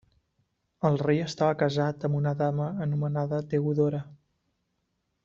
El rei estava casat amb una dama anomenada Teodora.